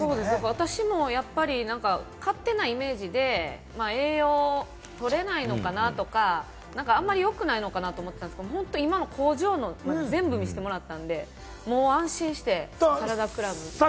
私もやっぱり、勝手なイメージで栄養取れないのかなとか、あんまりよくないのかなと思ったんですけど、今の工場の全部見せてもらったんで、もう安心してサラダクラブさんの食べます。